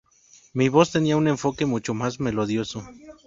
Mi voz tenía un enfoque mucho más melodioso.